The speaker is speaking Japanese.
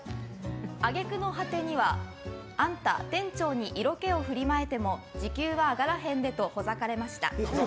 揚げ句の果てには、あんた店長に色気を振りまいても時給は上がらへんでとほざかれました。